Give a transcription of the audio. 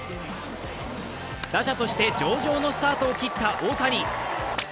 打者として上々のスタートを切った大谷。